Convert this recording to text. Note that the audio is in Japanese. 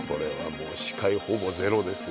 もう視界ほぼゼロですよ。